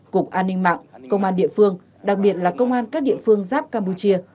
cục an ninh mạng công an địa phương đặc biệt là công an các địa phương giáp campuchia